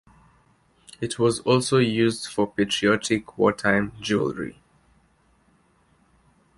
It was also used for patriotic wartime jewelry.